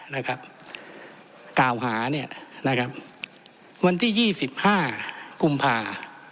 นะครับกล่าวหาเนี่ยนะครับวันที่ยี่สิบห้ากุมภา